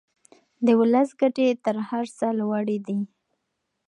د ولس ګټې تر هر څه لوړې دي.